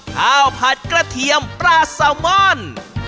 ข้าวผัดกระเทียมปลาซาวมอน